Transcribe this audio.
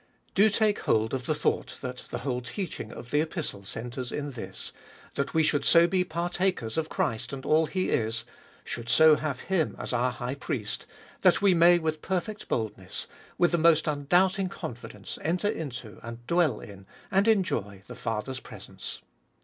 1. Do take hold of the thought that the whole teaching of the Epistle centres in this, that we should so be partakers of Christ and all He is, should so have Him as our High Priest, that we may with perfect boldness, with the most undoubting confidence enter into, and dwell in, and enjoy the Father's presence.